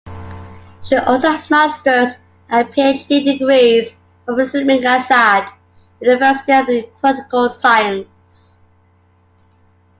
She also has master's and PhD degrees from Islamic Azad University in Political science.